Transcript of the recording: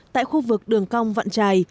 tại khu vực đường cong vạn trài